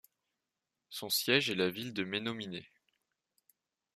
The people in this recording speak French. Son siège est la ville de Menominee.